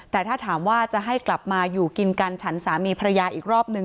แต่ถ้าถามว่าจะให้กลับมาอยู่กินกันฉันสามีภรรยาอีกรอบนึง